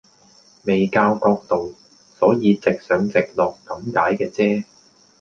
未校角度，所以直上直落咁解嘅啫